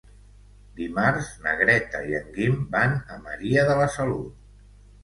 Dimarts na Greta i en Guim van a Maria de la Salut.